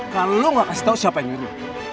kalo lu gak kasih tau siapa yang nyuruh